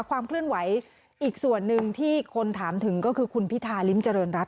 ความเคลื่อนไหวอีกส่วนหนึ่งที่คนถามถึงก็คือคุณพิธาริมเจริญรัฐ